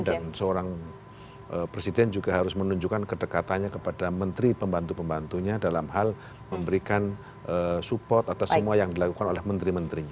dan seorang presiden juga harus menunjukkan kedekatannya kepada menteri pembantu pembantunya dalam hal memberikan support atas semua yang dilakukan oleh menteri menterinya